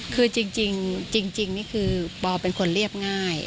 คือจริงนี่คือปอเป็นคนเรียบง่าย